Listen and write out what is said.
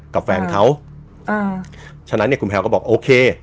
กับแฟนเขาอ่าฉะนั้นเนี่ยคุณแพลวก็บอกโอเค